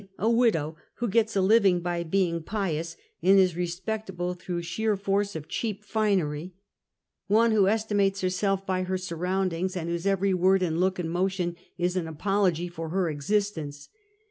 a widow who gets a living by being pi ous, and is respectable through sheer force of cheap finery; one who estimates herself by her surroundings, and whose every word and look and motion is an apol ogy for her existence.